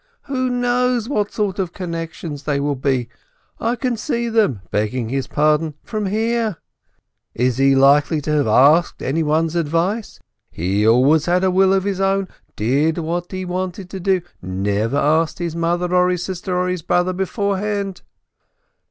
"Who knows what sort of connections they will be ! I can see them, begging his pardon, from here ! Is he likely to have asked anyone's advice? He always had a will of his own — did what he wanted to do, never asked his mother, or his sister, or his brother, before hand.